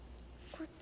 ・こっち